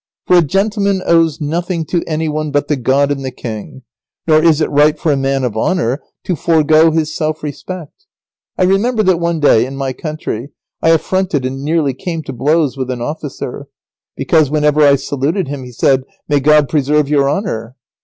For a gentleman owes nothing to any one but God and the king; nor is it right for a man of honour to forego his self respect. I remember that one day, in my country, I affronted and nearly came to blows with an officer, because whenever I saluted him he said, 'May God preserve your honour!